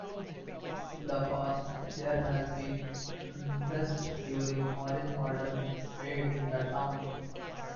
In the past, there has been unrest during Orange Order parades in the town.